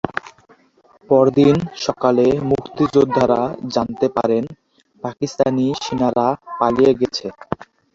পরদিন সকালে মুক্তিযোদ্ধারা জানতে পারেন, পাকিস্তানি সেনারা পালিয়ে গেছে।